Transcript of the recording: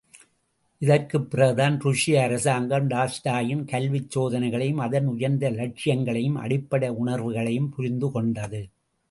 இதற்குப் பிறகுதான் ருஷ்ய அரசாங்கம், டால்ஸ்டாயின் கல்விச் சோதனைகளையும், அதன் உயர்ந்த லட்சியங்களையும், அடிப்படை உணர்வுகளையும் புரிந்து கொண்டது.